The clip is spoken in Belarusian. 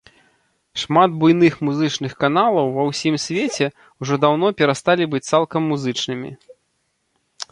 Шмат буйных музычных каналаў ва ўсім свеце ўжо даўно перасталі быць цалкам музычнымі.